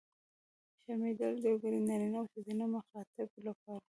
شرمېدلې! د یوګړي نرينه او ښځينه مخاطب لپاره.